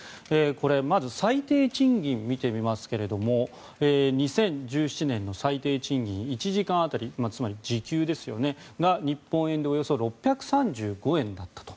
まず、最低賃金を見てみますと２０１７年の最低賃金１時間当たり、つまり時給が日本円でおよそ６３５円だったと。